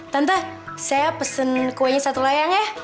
tante saya pesen kuenya satu layang ya